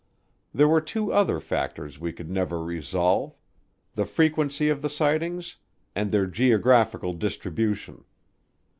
There were two other factors we could never resolve, the frequency of the sightings and their geographical distribution.